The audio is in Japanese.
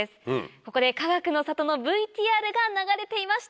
ここでかがくの里のＶＴＲが流れていました。